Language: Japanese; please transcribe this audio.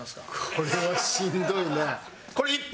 これはしんどいね。